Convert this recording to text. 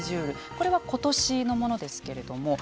これは今年のものですけれども。